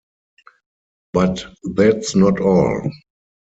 But that's not all.